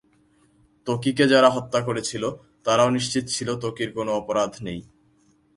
ত্বকীকে যারা হত্যা করেছিল, তারাও নিশ্চিত ছিল ত্বকীর কোনো অপরাধ নেই।